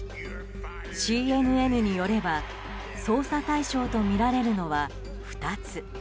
ＣＮＮによれば捜査対象とみられるのは２つ。